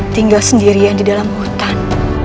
tinggal sendirian di dalam hutan